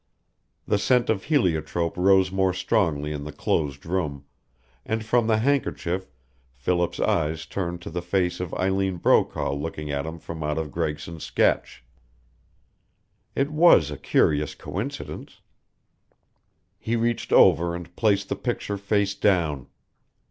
The scent of heliotrope rose more strongly in the closed room, and from the handkerchief Philip's eyes turned to the face of Eileen Brokaw looking at him from out of Gregson's sketch. It was a curious coincidence. He reached over and placed the picture face down.